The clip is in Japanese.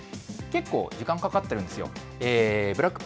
結構時間かかってるんですよ。